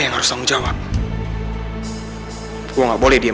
iya kan gue udah minta nomornya tadi